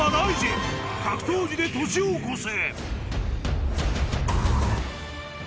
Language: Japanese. ［格闘技で年を越せ！］